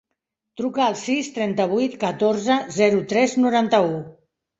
Truca al sis, trenta-vuit, catorze, zero, tres, noranta-u.